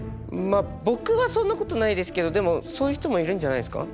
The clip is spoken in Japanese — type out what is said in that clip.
僕はそんなことないですけどでもそういう人もいるんじゃないですか。